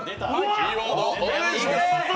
キーワードお願いします。